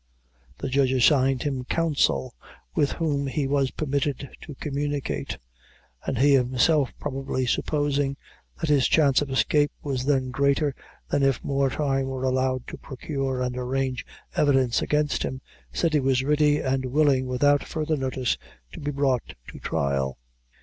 The judge assigned him counsel, with whom he was permitted to communicate; and he himself, probably supposing that his chance of escape was then greater than if more time were allowed to procure and arrange evidence against him, said he was ready and willing, without further notice, to be brought to trial.